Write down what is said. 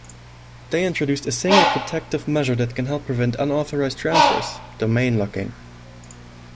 They introduced a single protective measure that can help prevent unauthorized transfers: domain locking.